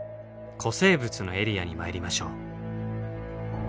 古生物のエリアに参りましょう。